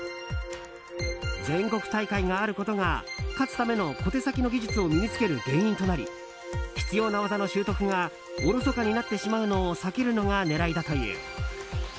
全国大会があることが勝つための小手先の技術を身に付ける原因となり必要な技の習得がおろそかになってしまうのを避けるのが狙いだという。